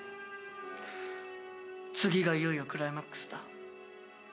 次がいよいよクライマックスだ。